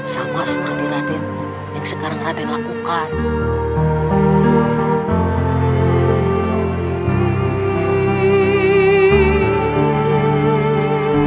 sama seperti raden yang sekarang raden lakukan